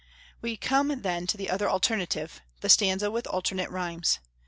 We come then to the other alternative, the stanza with alternate rhymes.